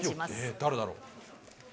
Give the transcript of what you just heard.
誰だろう？